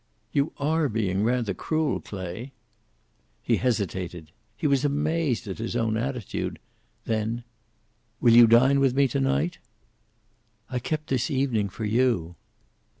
"You are being rather cruel, Clay." He hesitated. He was amazed at his own attitude. Then, "Will you dine with me to night?" "I kept this evening for you."